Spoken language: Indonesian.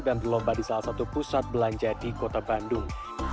berlomba di salah satu pusat belanja di kota bandung